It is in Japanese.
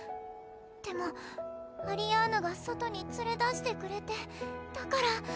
でもアリアーヌが外に連れ出してくれてだから